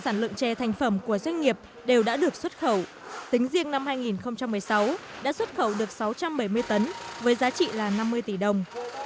sản lượng tre thành phẩm của doanh nghiệp đều đã được xuất khẩu tính riêng năm hai nghìn một mươi sáu đã xuất khẩu được sáu trăm bảy mươi tấn với giá trị là năm mươi tỷ đồng